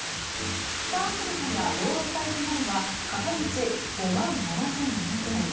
北アメリカやヨーロッパ行きなどは片道５万７２００円